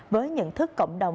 với nhận thức cộng đồng